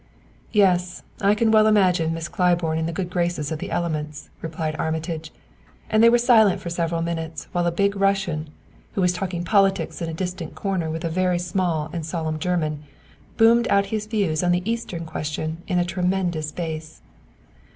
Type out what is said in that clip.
"Yes; I can well image Miss Claiborne in the good graces of the elements," replied Armitage; and they were silent for several minutes while a big Russian, who was talking politics in a distant corner with a very small and solemn German, boomed out his views on the Eastern question in a tremendous bass.